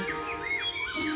dan menurunkan semua orang